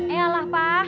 eh alah pa